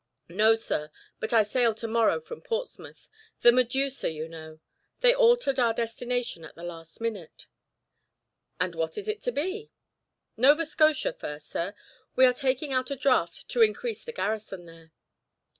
"No, sir, but I sail to morrow from Portsmouth: the Medusa, you know. They altered our destination at the last minute." "And what is it to be?" "Nova Scotia first, sir; we are taking out a draft to increase the garrison there."